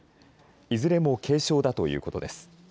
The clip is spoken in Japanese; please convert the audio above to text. いずれも軽傷だということです。